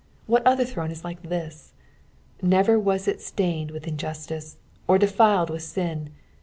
What other throne is like this ? Never was it stained with injustice, or defiled with ain.